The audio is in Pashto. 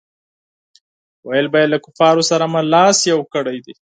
ویل به یې له کفارو سره مې لاس یو کړی دی.